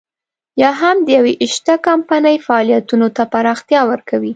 یا هم د يوې شته کمپنۍ فعالیتونو ته پراختیا ورکوي.